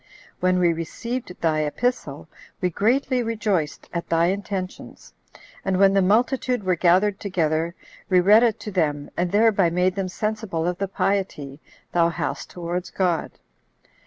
When we received thy epistle, we greatly rejoiced at thy intentions; and when the multitude were gathered together, we read it to them, and thereby made them sensible of the piety thou hast towards God.